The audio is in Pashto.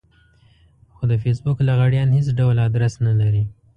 خو د فېسبوک لغړيان هېڅ ډول ادرس نه لري.